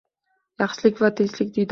Yaxshilik va tinchlik diyori